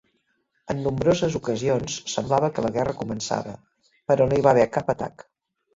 En nombroses ocasions semblava que la guerra començava, però no hi va haver cap atac.